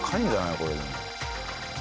これでも。